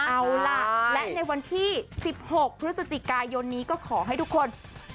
เอาล่ะและในวันที่๑๖พฤศจิกายนนี้ก็ขอให้ทุกคน